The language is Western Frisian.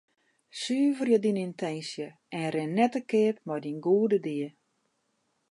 Suverje dyn yntinsje en rin net te keap mei dyn goede died.